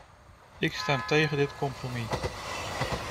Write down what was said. Ik stem tegen dit compromis.